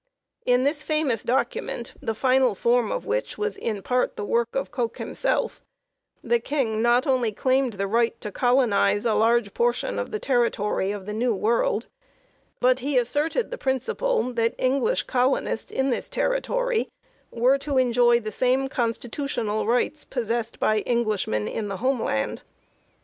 In this famous document the final form of which was in part the work of Coke himself the King not only claimed the right to colonize a large portion of the territory of the New World, but he asserted the principle that English colonists in this territory were to enjoy the same constitutional rights possessed by Englishmen in the home land.